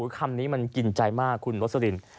คำนี้มันกินใจมากคุณโรสลิน